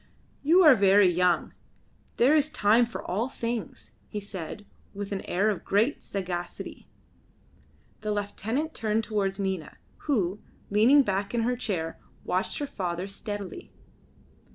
"You are very young; there is time for all things," he said, with an air of great sagacity. The lieutenant turned towards Nina, who, leaning back in her chair, watched her father steadily.